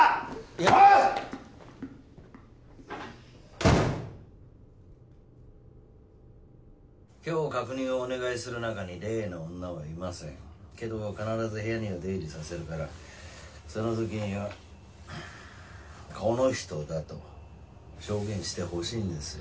いや今日確認をお願いする中に例の女はいませんけど必ず部屋には出入りさせるからその時にはこの人だと証言してほしいんですよ